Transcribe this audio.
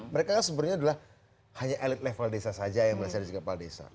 mereka kan sebenarnya adalah hanya elit level desa saja yang berasal dari kepala desa